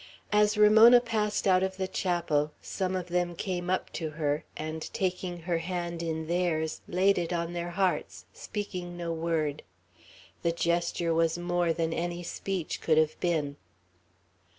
As Ramona passed out of the chapel, some of them came up to her, and taking her hand in theirs, laid it on their hearts, speaking no word. The gesture was more than any speech could have been.